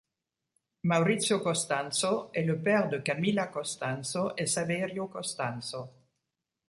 Maurizio Costanzo est le père de Camilla Costanzo et Saverio Costanzo.